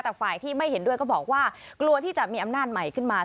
แต่ฝ่ายที่ไม่เห็นด้วยก็บอกว่ากลัวที่จะมีอำนาจใหม่ขึ้นมา